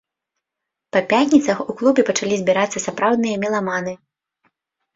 Па пятніцах у клубе пачалі збірацца сапраўдныя меламаны.